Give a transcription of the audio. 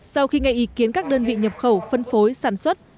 sau khi nghe ý kiến các đơn vị nhập khẩu phân phối sản xuất